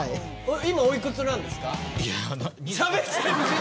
今おいくつなんですか？